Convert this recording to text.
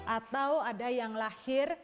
atau ada yang lahir